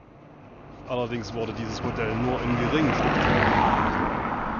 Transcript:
Allerdings wurde dieses Modell nur in geringen Stückzahlen gefertigt.